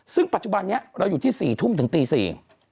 ซึ่งปัจจุบันนี้เราอยู่ที่๔ทุ่มถึงตี๔